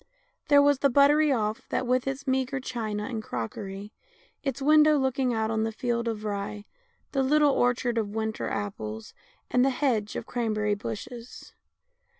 There was the buttery off that, with its meagre china and crockery, its window looking out on the field of rye, the little orchard of winter apples, and the hedge of cranberry bushes.